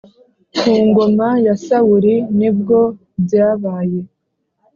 Ku ngoma ya Sawuli ni bwo byabaye